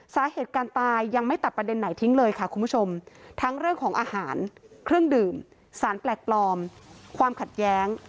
สาเหตุการตายยังไม่ตัดประเด็นไหนทิ้งเลยค่ะคุณผู้ชมทั้งเรื่องของอาหารเครื่องดื่มสารแปลกปลอมความขัดแย้ง